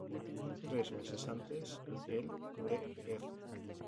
Tres meses antes el Dr.